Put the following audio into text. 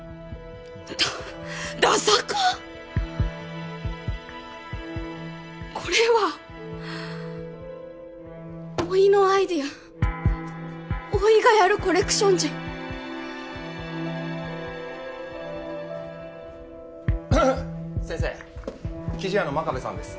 ダダサかこれはおいのアイデアおいがやるコレクションじゃ先生生地屋の真壁さんです